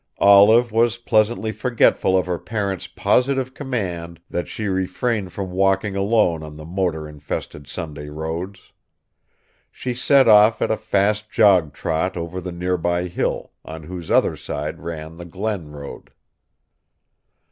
Olive was pleasantly forgetful of her parents' positive command that she refrain from walking alone on the motor infested Sunday roads. She set off at a fast jog trot over the nearby hill, on whose other side ran the Glen road.